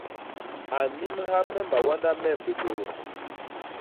A nnimha me mawanda mem bitôdô.